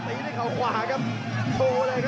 กลับได้แล้วปันกันสอง